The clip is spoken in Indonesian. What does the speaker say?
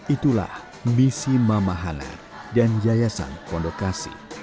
itulah misi mama halar dan yayasan pondok kasih